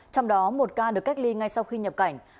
trong đó một ca được cách ly ngay sau khi nhập cảnh